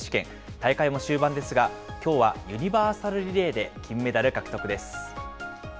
大会も終盤ですが、きょうはユニバーサルリレーで金メダル獲得です。